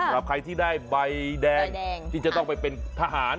ใครที่ได้ใบแดงที่จะต้องไปเป็นทหาร